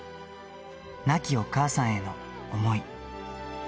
亡きお母さんへの想い。